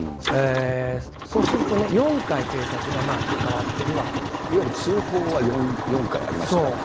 そうするとね、４回、警察がいわゆる通報は４回ありましそう。